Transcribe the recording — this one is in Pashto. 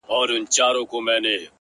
شاعر دميني ومه درد ته راغلم.!